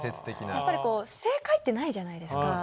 やっぱりこう正解ってないじゃないですか。